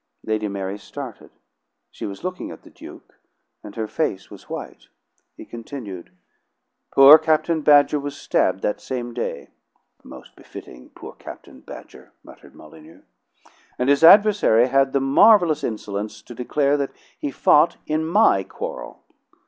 Lady Mary started; she was looking at the Duke, and her face was white. He continued: "Poor Captain Badger was stabbed that same day. " "Most befitting poor Captain Badger," muttered Molyneux. " And his adversary had the marvelous insolence to declare that he fought in my quarrel!